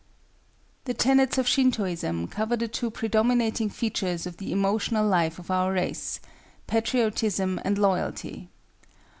] The tenets of Shintoism cover the two predominating features of the emotional life of our race—Patriotism and Loyalty.